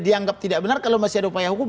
dianggap tidak benar kalau masih ada upaya hukum